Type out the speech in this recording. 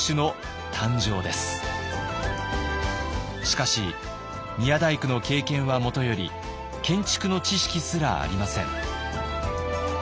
しかし宮大工の経験はもとより建築の知識すらありません。